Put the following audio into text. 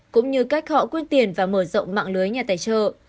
cũng như cách họ quyên tiền và mở rộng mạng lưới nhà tài trợ